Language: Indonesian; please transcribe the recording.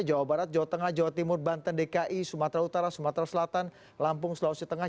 jawa barat jawa tengah jawa timur banten dki sumatera utara sumatera selatan lampung sulawesi tengah